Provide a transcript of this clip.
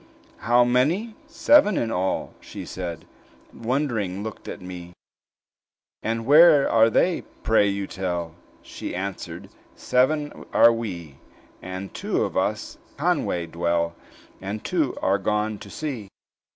"How many? Seven in all," she said, And wond'ring looked at me. "And where are they? I pray you tell." She answered, "Seven are we; And two of us at Conway dwell, And two are gone to sea.